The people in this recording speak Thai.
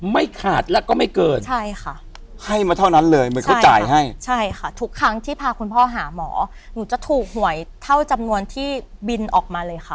ไม่ขาดแล้วก็ไม่เกินทุกครั้งที่พาคุณพ่อหาหมอจะถูกหวยเท่าจำนวนที่บินออกมาเลยค่ะ